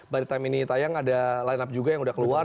by time ini tayang ada line up juga yang udah keluar